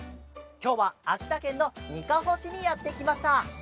きょうはあきたけんのにかほしにやってきました。